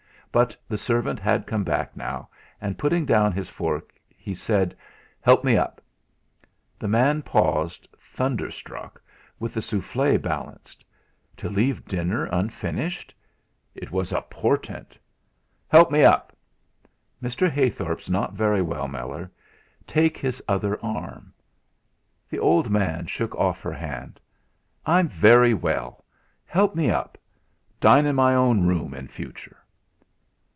But the servant had come back now, and putting down his fork he said: "Help me up!" The man paused, thunderstruck, with the souffle balanced. To leave dinner unfinished it was a portent! "Help me up!" "Mr. Heythorp's not very well, Meller; take his other arm." The old man shook off her hand. "I'm very well. Help me up. Dine in my own room in future."